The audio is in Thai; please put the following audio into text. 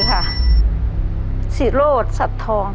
เฮ้ย